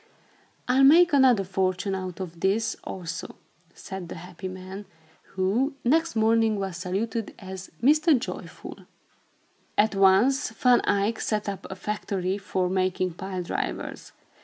"I'll make another fortune out of this, also," said the happy man, who, next morning, was saluted as Mynheer Blyd schap (Mr. Joyful). At once, Van Eyck set up a factory for making pile drivers.